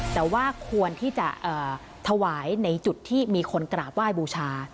แต่ว่าควรที่จะถวายในจุดที่มีคนกราบไหว้บูชา